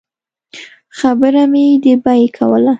خبره مې د بیې کوله.